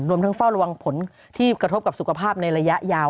รวมทั้งเฝ้าระวังผลที่กระทบกับสุขภาพในระยะยาว